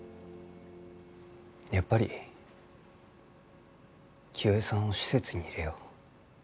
やっぱり清江さんを施設に入れよう。